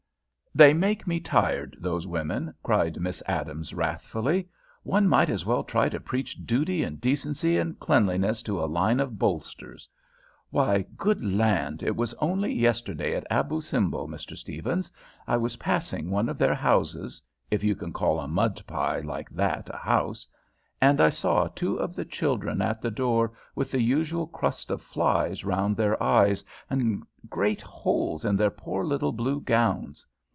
"They make me tired, those women," cried Miss Adams, wrathfully. "One might as well try to preach duty and decency and cleanliness to a line of bolsters. Why, good land, it was only yesterday at Abou Simbel, Mr. Stephens, I was passing one of their houses, if you can call a mud pie like that a house, and I saw two of the children at the door with the usual crust of flies round their eyes, and great holes in their poor little blue gowns!